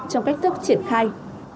trong cách thức triển khai